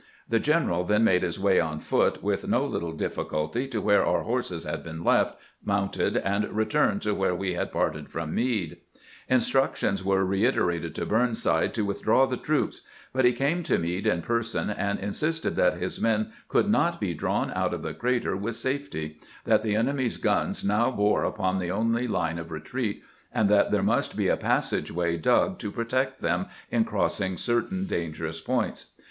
The general then made his way on foot, with no little diflS Culty, to where our horses had been left, mounted, and returned to where we had parted from Meade. Instructions were reiterated to Burnside to withdraw the troops ; but he came to Meade in person and insisted that his men could not be drawn out of the crater with safety ; that the enemy's guns now bore upon the only line of retreat ; and that there must be a passageway dug to protect them in crossing certain dangerous points.